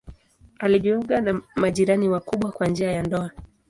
Alijiunga na majirani wakubwa kwa njia ya ndoa.